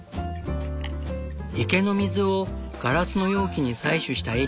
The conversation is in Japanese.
池の水をガラスの容器に採取したエリー。